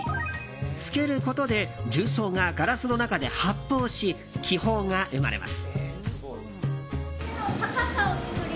浸けることで重曹がガラスの中で発泡し気泡が生まれます。